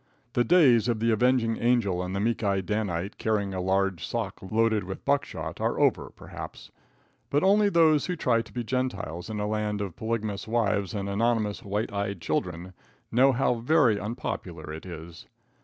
The days of the avenging angel and the meek eyed Danite, carrying a large sock loaded with buckshot, are over, perhaps; but only those who try to be Gentiles in a land of polygamous wives and anonymous white eyed children, know how very unpopular it is.